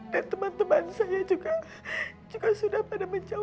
dan teman teman saya juga sudah pada mencapai